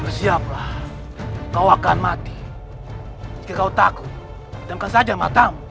bersiaplah kau akan mati jika kau takut saja matamu